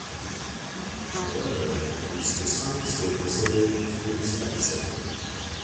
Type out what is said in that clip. However, these designs were considered too expensive.